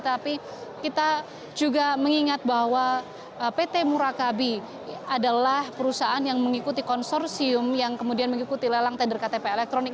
tapi kita juga mengingat bahwa pt murakabi adalah perusahaan yang mengikuti konsorsium yang kemudian mengikuti lelang tender ktp elektronik